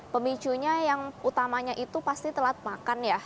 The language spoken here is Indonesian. pemicunya yang utamanya itu pasti telat makan ya